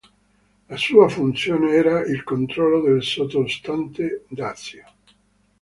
La sua funzione era il controllo del sottostante dazio.